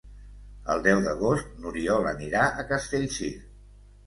El deu d'agost n'Oriol anirà a Castellcir.